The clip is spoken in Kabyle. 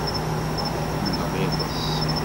Ḥemmleɣ iḍes.